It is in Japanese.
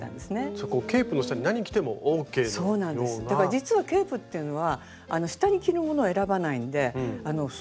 実はケープっていうのは下に着るものを選ばないんです